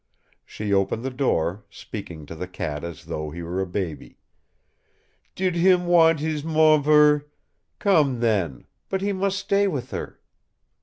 She opened the door, speaking to the cat as though he were a baby: "Did him want his movver? Come then; but he must stay with her!"